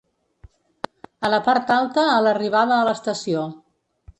A la part alta a l'arribada a l'estació.